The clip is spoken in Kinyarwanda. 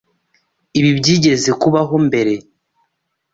Ibi byigeze kubaho mbere?